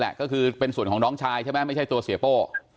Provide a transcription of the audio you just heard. แหละก็คือเป็นส่วนของน้องชายใช่ไหมไม่ใช่ตัวเสียโป้